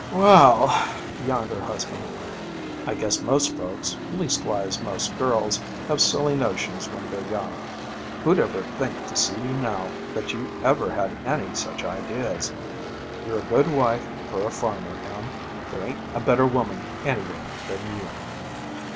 'Well,' yawned her husband, 'I guess most folks, leastwise most girls, have silly notions when they're young. Who'd ever think to see you now, that you ever had any such ideas? You're a good wife for a farmer, Em. There ain't a better woman anywhere, than you.'